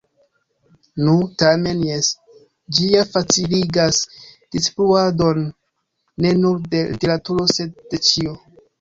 Nu, tamen jes, ĝi ja faciligas distribuadon, ne nur de literaturo, sed de ĉio.